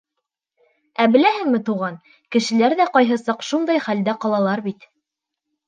— Ә беләһеңме, туған, кешеләр ҙә ҡайһы саҡ шундай хәлдә ҡалалар бит.